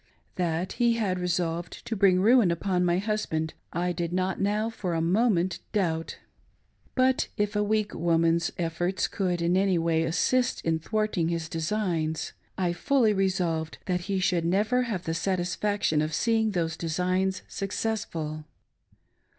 That he had resolved to bring ruin upon my hiasband I did not now for a moment doubt. But if a weak woman's efforts could in any way assist in thwairting his designs, I fully resolved that he never should have the satisfaction of seeing those designs successful.